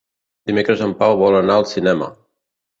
Dimecres en Pau vol anar al cinema.